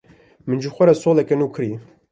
Min ji xwe re soleke nû kirî.